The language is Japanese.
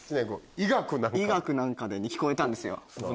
「医学なんかで」に聞こえたんですよ。